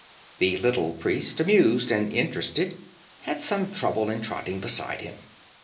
The little priest, amused and interested, had some trouble in trotting beside him.